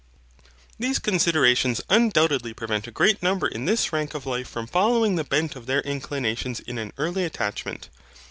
These considerations undoubtedly prevent a great number in this rank of life from following the bent of their inclinations in an early attachment.